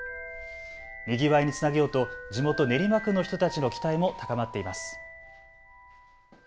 にぎわいにつなげようと地元、練馬区の人たちの期待も高まっています。